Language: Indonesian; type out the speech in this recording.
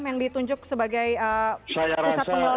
yang ditunjuk sebagai pusat pengelolaan